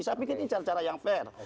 saya pikir ini cara cara yang fair